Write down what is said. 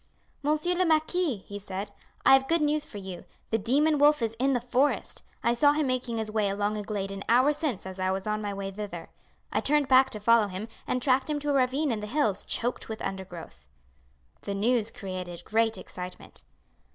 "Monsieur le marquis," he said, "I have good news for you; the demon wolf is in the forest. I saw him making his way along a glade an hour since as I was on my way thither. I turned back to follow him, and tracked him to a ravine in the hills choked with undergrowth." The news created great excitement.